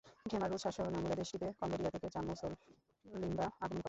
খেমার Rouge শাসনামলে দেশটিতে Cambodia থেকে চাম মুসলিমরা আগমন করে।